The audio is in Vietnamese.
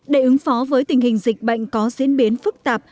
để ứng phó với tình hình dịch bệnh có diễn biến phức tạp